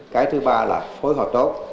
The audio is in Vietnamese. cái thứ ba là phối hợp tốt